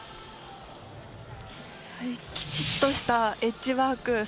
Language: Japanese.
きちっとしたエッジワーク。